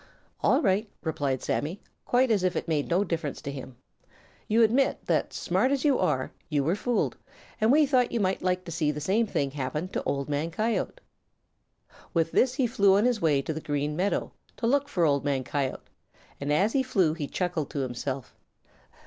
"All right," replied Sammy, quite as if it made no difference to him. "You admit that smart as you are you were fooled, and we thought you might like to see the same thing happen to Old Man Coyote." With this he flew on his way to the Green Meadows to look for Old Man Coyote, and as he flew he chuckled to himself.